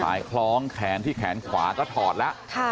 ยคล้องแขนที่แขนขวาก็ถอดแล้ว